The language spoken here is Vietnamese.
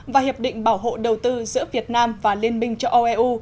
và hiệp định bảo hộ đầu tư giữa việt nam và liên minh châu âu eu